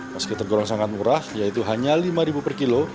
meski tergolong sangat murah yaitu hanya rp lima per kilo